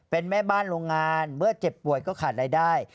เป็นแม่บ้านโรงงานเมื่อเจ็บป่วยก็ขาดรายได้